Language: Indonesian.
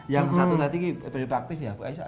yang satu tadi berlipat aktif ya bu aisyah